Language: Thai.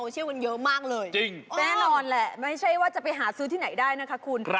จริงแน่นอนแหละไม่ใช่ว่าจะไปหาซื้อที่ไหนได้นะคะคุณ